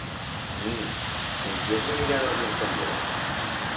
Nina, te'n quiers venir a dormir con yo?